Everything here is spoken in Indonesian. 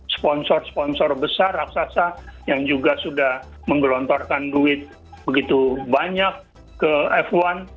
sponsor sponsor besar raksasa yang juga sudah menggelontorkan duit begitu banyak ke f satu